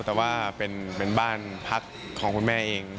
แต่ว่าเป็นบ้านพักของคุณแม่เอง